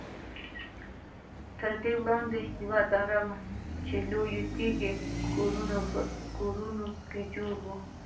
تر دې وړاندې یوه دره وه چې لویو تیږو کې کورونه جوړ وو.